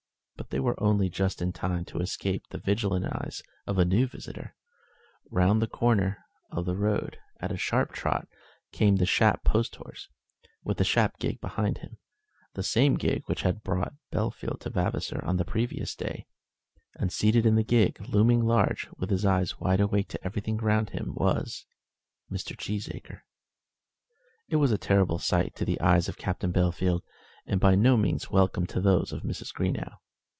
But they were only just in time to escape the vigilant eyes of a new visitor. Round the corner of the road, at a sharp trot, came the Shap post horse, with the Shap gig behind him, the same gig which had brought Bellfield to Vavasor on the previous day, and seated in the gig, looming large, with his eyes wide awake to everything round him, was Mr. Cheesacre. It was a sight terrible to the eyes of Captain Bellfield, and by no means welcome to those of Mrs. Greenow.